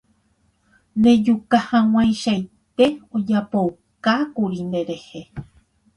Ndejukahag̃uaichaite ojapoukákuri nderehe.